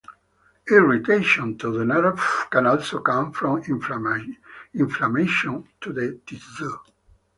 Irritation to the nerve can also come from inflammation to the tissue.